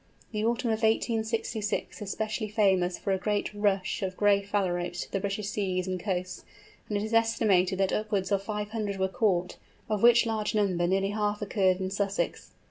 The autumn of 1866 is specially famous for a great "rush" of Gray Phalaropes to the British seas and coasts, and it is estimated that upwards of 500 were caught, of which large number nearly half occurred in Sussex!